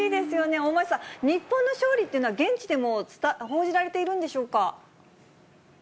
大町さん、日本の勝利というのは、現地でも報じられているんでしょうか。